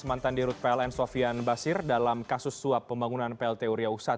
mantan dirut pln sofian basir dalam kasus suap pembangunan plt uria u satu